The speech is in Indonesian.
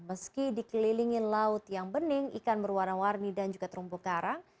meski dikelilingi laut yang bening ikan berwarna warni dan juga terumbu karang